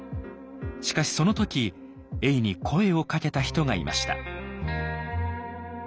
しかしその時永に声をかけた人がいました。